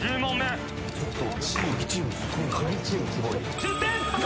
・１０点！